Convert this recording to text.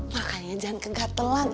makanya jangan kegatelan